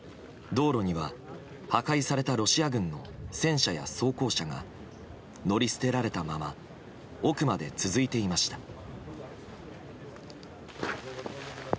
道路には、破壊されたロシア軍の戦車や装甲車が乗り捨てられたまま奥まで続いていました。